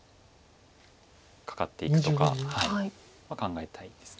カカっていくとかは考えたいです。